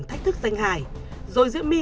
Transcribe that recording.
thách thức danh hài rồi diễm my